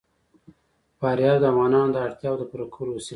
فاریاب د افغانانو د اړتیاوو د پوره کولو وسیله ده.